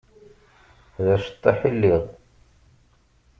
D aceṭṭaḥ i lliɣ.